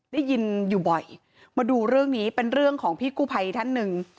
ได้ยินอยู่บ่อยมาดูเรื่องนี้เป็นเรื่องของพี่กู้ภัยท่านหนึ่ง